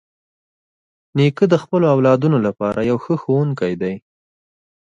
نیکه د خپلو اولادونو لپاره یو ښه ښوونکی دی.